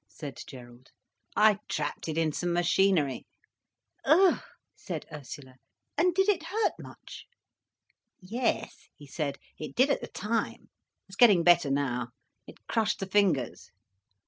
said Gerald. "I trapped it in some machinery." "Ugh!" said Ursula. "And did it hurt much?" "Yes," he said. "It did at the time. It's getting better now. It crushed the fingers."